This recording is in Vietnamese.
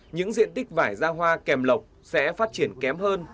những diện tích vải ra hoa kèm lọc sẽ phát triển